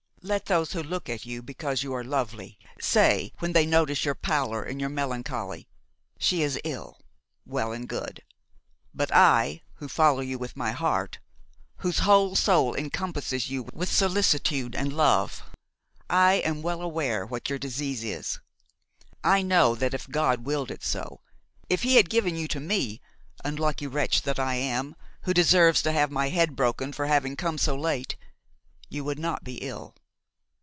Let those who look at you because you are lovely say, when they notice your pallor and your melancholy: 'She is ill;'–well and good; but I, who follow you with my heart, whose whole soul encompasses you with solicitude and love, I am well aware what your disease is. I know that if God willed it so, if he had given you to me, unlucky wretch that I am, who deserve to have my head broken for having come so late, you would not be ill.